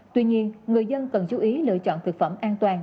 tuy nhiên người dân cần chú ý lựa chọn thực phẩm an toàn